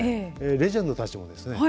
レジェンドたちもですね